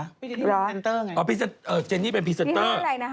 พี่ต้ีนี่เป็นพีเซ็นเตอร์ไงอ๋อพีเซ็นเตอร์เออเจนี่เป็นพีเซ็นเตอร์